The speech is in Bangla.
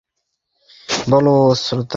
বলো, স্বেতা।